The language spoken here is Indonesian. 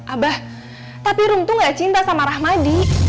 abah tapi rum tuh gak cinta sama rahmadi